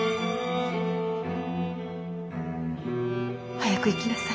早く行きなさい。